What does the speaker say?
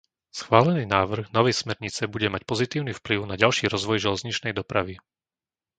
Schválený návrh novej smernice bude mať pozitívny vplyv na ďalší rozvoj železničnej dopravy.